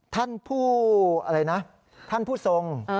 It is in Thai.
ท่านผู้อะไรนะท่านผู้ทรง